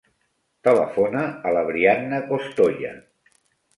Telefona a la Brianna Costoya.